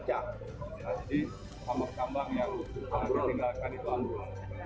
jadi tambang tambang yang ditinggalkan itu alur